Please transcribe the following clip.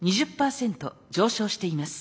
２０％上昇しています。